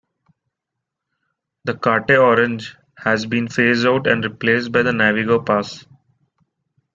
The Carte orange has been phased out and replaced by the Navigo pass.